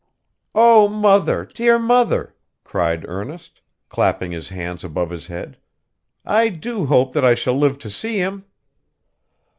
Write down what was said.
'O mother, dear mother!' cried Ernest, clapping his hands above his head, 'I do hope that I shall live to see him!